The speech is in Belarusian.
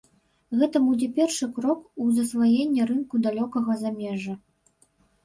Гэта будзе першы крок у засваенні рынку далёкага замежжа.